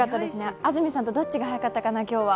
安住さんとどっちが早かったかな、今日は。